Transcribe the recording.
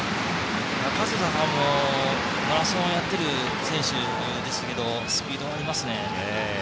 加世田さんはマラソンをやっている選手ですがスピードがありますね。